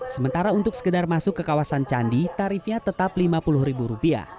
sementara untuk sekedar masuk ke kawasan candi tarifnya tetap rp lima puluh